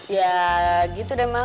ya gitu deh mah